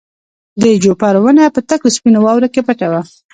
د جوپر ونه په تکو سپینو واورو کې پټه وه.